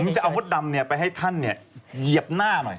ผมจะเอาหมดดำเนี่ยไปให้ท่านเนี่ยเหยียบหน้าหน่อย